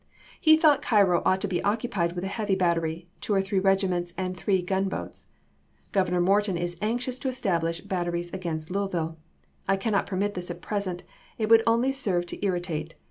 He thought Cairo ought to be occupied with a heavy battery, two or three regiments, and three gun boats. " Grovernor Morton is anxious to establish batteries against Louisville. I cannot permit this at present ; it would only serve to irritate.